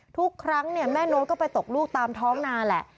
ทุกครั้งแม่โน้ตก็ไปตกลูกตามท้องนาแหละ